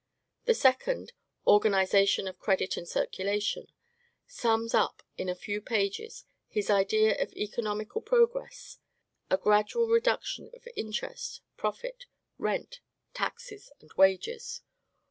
The second, "Organization of Credit and Circulation," sums up in a few pages his idea of economical progress: a gradual reduction of interest, profit, rent, taxes, and wages.